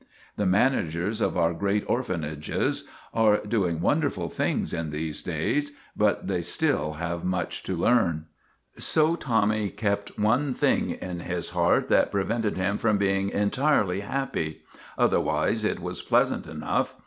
The managers of our great orphanages are doing wonderful things in these days, but they still 'have much to learn. So Tommy kept one thing in his heart that pre vented him from being entirely happy. Otherwise it was pleasant enough.